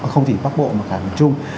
không chỉ bắc bộ mà cả miền trung